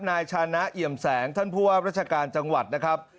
นายชานะเอี่ยมแสงท่านผู้ว่าราชการจังหวัดนะครับ